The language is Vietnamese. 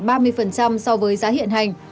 của mức giá hiện hành